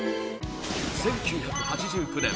１９８９年